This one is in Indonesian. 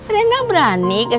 rena berani kekasih